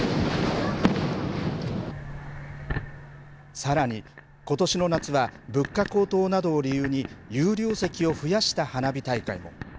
さらに、ことしの夏は物価高騰などを理由に、有料席を増やした花火大会も。